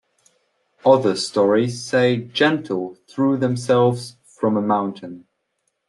Other stories say "jentil" threw themselves from a mountain.